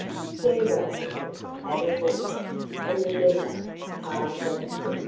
"Farewell, uncle," added Wamba; "and remember 'Pax vobiscum'."